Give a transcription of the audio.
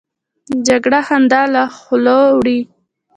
جګړه خندا له خولو وړي